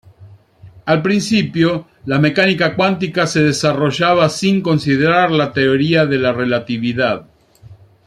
Al principio, la mecánica cuántica se desarrollaba sin considerar la teoría de la relatividad.